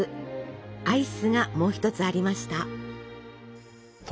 アイスがもう一つありました。